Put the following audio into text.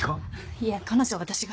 いえ彼女は私が。